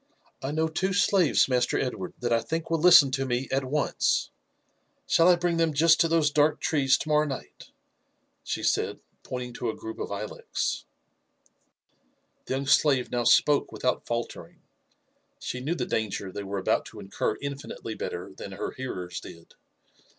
I know two slaves. Master Edward, that I think will listen to me at once ; shall I bring them just to those dark trees to morrow night?" she said, pointing to a group of ilex. The young slave now jspoke without faltering ; she knew the danger they were about to incur infinitely better than her hearers did.